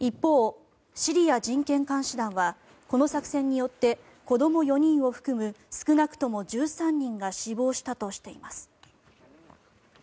一方、シリア人権監視団はこの作戦によって子ども４人を含む少なくとも１３人が死亡したとしています。